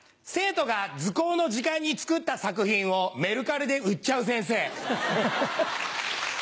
生徒が図工の時間に作った作品をメルカリで売っちゃう先生。